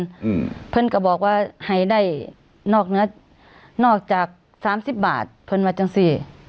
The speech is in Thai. อืมเพื่อนก็บอกว่าให้ได้นอกเนื้อนอกจากสามสิบบาททุนมาจังสิ